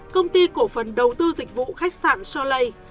công ty cổ phần đầu tư dịch vụ khách sạn solay